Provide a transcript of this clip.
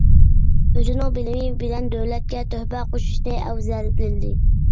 ئۆزىنىڭ بىلىمى بىلەن دۆلەتكە تۆھپە قوشۇشنى ئەۋزەل بىلدى.